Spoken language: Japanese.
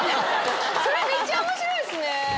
それめっちゃ面白いですね。